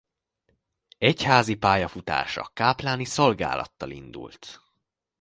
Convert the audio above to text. Egyházi pályafutása kápláni szolgálattal indult.